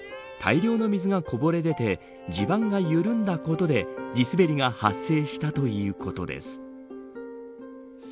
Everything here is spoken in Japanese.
大量の水がこぼれ出て地盤が緩んだことで地滑りが発生したということです。